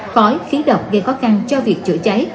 khói khí độc gây khó khăn cho việc chữa cháy